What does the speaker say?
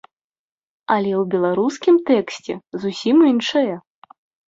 Але ў беларускім тэксце зусім іншае.